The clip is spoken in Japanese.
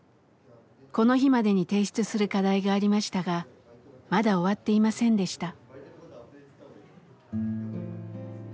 この日までに提出する課題がありましたがまだ終わっていませんでした。